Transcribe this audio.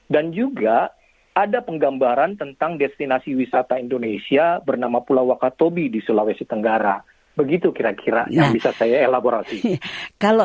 dan juga ada penggambaran tentang destinasi wisata indonesia bernama pulau wakatobi di sulawesi tenggara